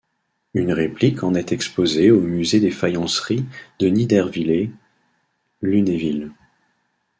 Une réplique en est exposée au musée des faïenceries de Niderviller-Lunéville.